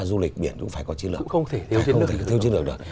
du lịch biển cũng phải có chiến lược cũng không thể thiếu chiến lược được